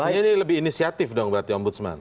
artinya ini lebih inisiatif dong berarti om budsman